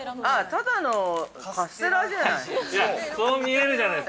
◆ただのカステラじゃない。